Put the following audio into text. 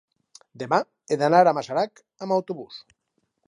demà he d'anar a Masarac amb autobús.